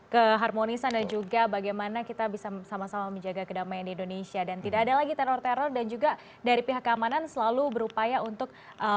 keharmonisan dan juga bagaimana kita bisa sama sama menjaga kedamaian di indonesia dan tidak ada lagi teror teror dan juga dari pihak keamanan selalu berupaya untuk